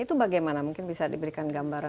itu bagaimana mungkin bisa diberikan gambaran